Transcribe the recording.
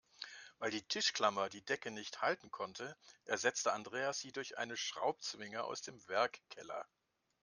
Weil die Tischklammer die Decke nicht halten konnte, ersetzte Andreas sie durch eine Schraubzwinge aus dem Werkkeller.